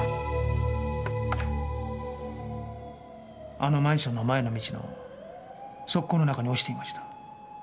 あのマンションの前の道の側溝の中に落ちていました。